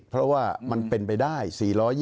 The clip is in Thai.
เพราะว่ามันเป็นไปได้